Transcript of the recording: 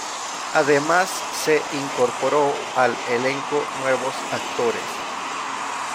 Además se incorporó al elenco nuevos actores.